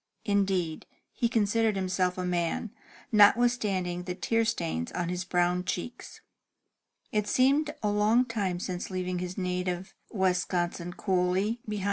Indeed, he considered himself a man, notwithstanding the tear stains on his brown cheeks. It seemed a long time since leaving his native Wisconsin coolly * From Boy Life on the Prairie.